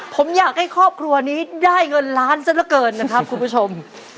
ผมอยากให้ครอบครัวนี้ได้เงินล้านซะละเกินนะครับคุณผู้ชม